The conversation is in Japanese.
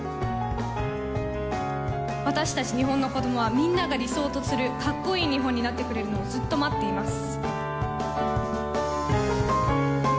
私たち日本の子どもはみんなが理想とするかっこいい日本になってくれるのをずっと待っています。